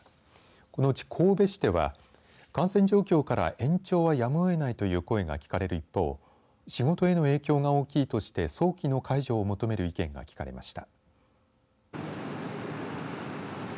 このうち神戸市では感染状況から延長はやむを得ないという声が聞かれる一方仕事への影響が大きいとして早期の解除を求める意見が聞かれました。